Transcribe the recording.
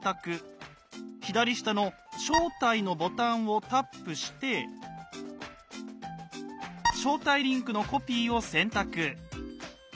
左下の「招待」のボタンをタップして「招待リンクのコピー」を選択。